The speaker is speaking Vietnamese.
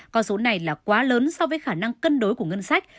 con số này là quá lớn so với khả năng cân đối của ngân sách